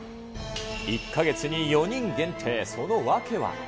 １か月に４人限定、その訳は。